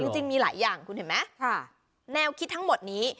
จริงมีหลายอย่างคุณเห็นไหมแนวคิดทั้งหมดนี้